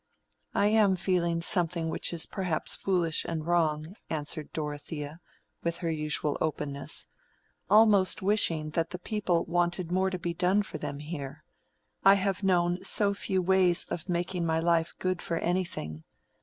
"I am feeling something which is perhaps foolish and wrong," answered Dorothea, with her usual openness—"almost wishing that the people wanted more to be done for them here. I have known so few ways of making my life good for anything.